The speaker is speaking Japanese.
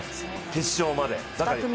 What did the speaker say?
決勝まで。